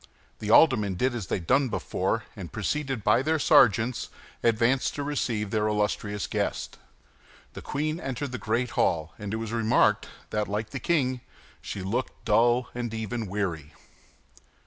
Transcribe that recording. The aldermen did as they had done before, and preceded by their sergeants, advanced to receive their illustrious guest. The queen entered the great hall; and it was remarked that, like the king, she looked dull and even weary.